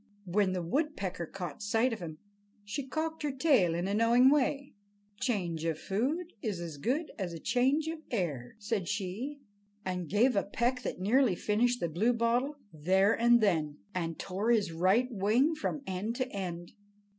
When the woodpecker caught sight of him, she cocked her tail in a knowing way. "Change of food is as good as change of air," said she, and gave a peck that nearly finished the Bluebottle there and then, and tore his right wing from end to end.